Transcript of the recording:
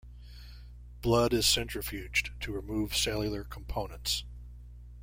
Blood is centrifuged to remove cellular components.